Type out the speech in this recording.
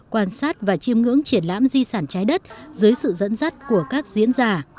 quan sát và chiêm ngưỡng triển lãm di sản trái đất dưới sự dẫn dắt của các diễn giả